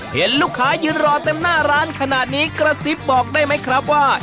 เห็นลูกค้ายืนรอเต็มหน้าร้านขนาดนี้กระซิบบอกได้ไหมครับว่า